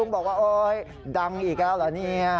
ลุงบอกว่าดังอีกแล้วเหรอเนี่ย